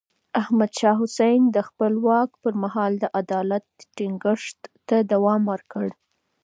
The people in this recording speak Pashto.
احمد شاه حسين د خپل واک پر مهال د عدالت ټينګښت ته دوام ورکړ.